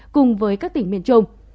cùng với các tỉnh miền trung